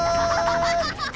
・ハハハハ！